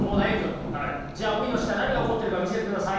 じゃあ海の下何が起こってるか見せてください。